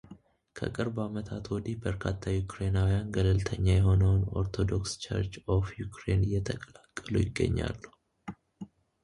ከቅርብ ዓመታት ወዲህ በርካታ ዩክሬናዊያን ገለልተኛ የሆነውን ኦርቶዶክስ ቸርች ኦፍ ዩክሬን እየተቀላቀሉ ይገኛሉ።